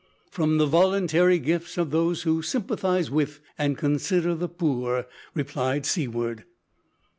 "From the voluntary gifts of those who sympathise with and consider the poor," replied Seaward.